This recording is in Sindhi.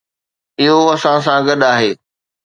اهو اسان سان گڏ آهي.